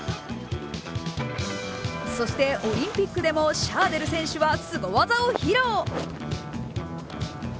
そしてオリンピックでもシャーデル選手は、すご技を披露。